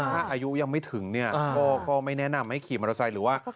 ถ้าอายุยังไม่ถึงเนี่ยก็ไม่แนะนำให้ขี่มอเตอร์ไซค์หรือว่า